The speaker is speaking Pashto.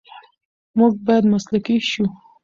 موږ باید مسلکي شو.